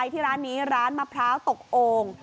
ที่ร้านนี้ร้านมะพร้าวตกโอ่ง